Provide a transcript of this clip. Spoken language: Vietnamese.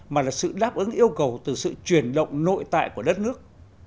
mà là sự đáp ứng yêu cầu từ sự chuyển động nội tại của đất nước